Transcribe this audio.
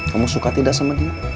kamu suka tidak sama dia